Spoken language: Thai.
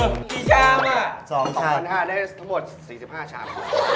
มีชามอ่ะสองชามได้ทั้งหมด๔๕ชาม